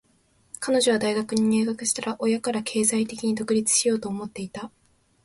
彼女は大学に入学したら、親から経済的に独立しようと思っていた。